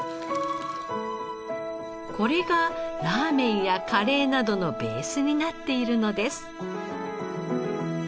これがラーメンやカレーなどのベースになっているのです。